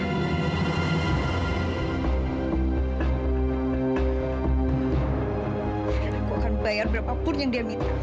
aku akan bayar berapapun yang dia minta